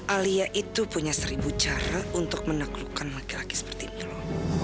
alia itu punya seribu cara untuk menaklukkan laki laki seperti itu